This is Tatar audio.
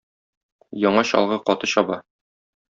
Яңа чалгы каты чаба.